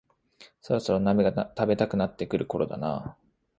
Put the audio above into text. そろそろ鍋が食べたくなってくるころだな